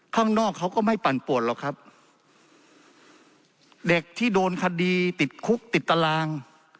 ข้างนอกเขาก็ไม่ปั่นปวดหรอกครับเด็กที่โดนคดีติดคุกติดตาราง